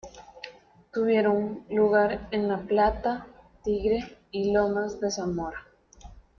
Tuvieron lugar en La Plata, Tigre y Lomas de Zamora.